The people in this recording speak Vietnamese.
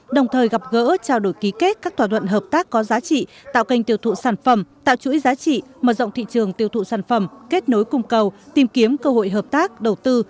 đồng thời gặp gỡ trao đổi ký kết các tòa đoạn hợp tác có giá trị tạo kênh tiêu thụ sản phẩm tạo chuỗi giá trị mở rộng thị trường tiêu thụ sản phẩm kết nối cung cầu tìm kiếm cơ hội hợp tác đầu tư